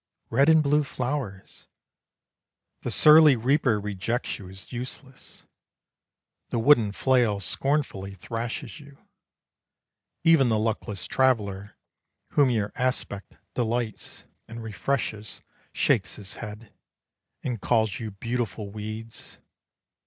Red and blue flowers! The surly reaper rejects you as useless. The wooden flail scornfully thrashes you, Even the luckless traveler, Whom your aspect delights and refreshes, Shakes his head, And calls you beautiful weeds.